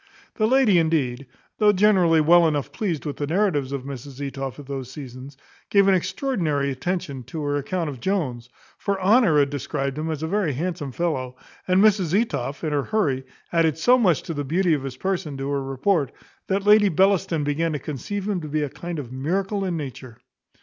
The lady indeed, though generally well enough pleased with the narratives of Mrs Etoff at those seasons, gave an extraordinary attention to her account of Jones; for Honour had described him as a very handsome fellow, and Mrs Etoff, in her hurry, added so much to the beauty of his person to her report, that Lady Bellaston began to conceive him to be a kind of miracle in nature.